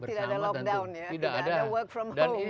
tidak ada lockdown ya tidak ada work from home